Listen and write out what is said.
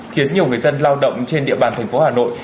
khiến nhiều người dân lao động trên địa bàn thành phố hà nội